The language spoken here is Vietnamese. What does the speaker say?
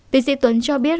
thị sĩ tuấn cho biết